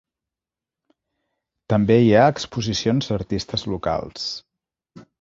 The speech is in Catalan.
També hi ha exposicions d'artistes locals.